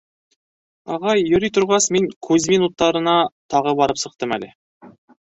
— Ағай, йөрөй торғас, мин Кузьмин утарына тағы барып сыҡтым әле.